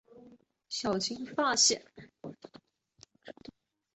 小金发藓为土马鬃科小金发藓属下的一个种。